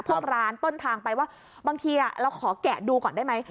พวกร้านต้นทางไปว่าบางทีเราขอแกะดูก่อนได้ไหม